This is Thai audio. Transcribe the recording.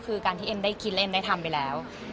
คือการที่เอ็มได้คิดเล่นได้ทำไปแล้ว